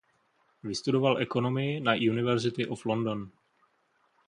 Vystudoval ekonomii na University of London.